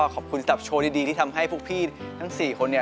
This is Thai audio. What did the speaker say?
ขอบคุณสำหรับโชว์ดีที่ทำให้พวกพี่ทั้ง๔คน